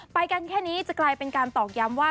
ไปกันแค่นี้จะกลายเป็นการตอกย้ำว่า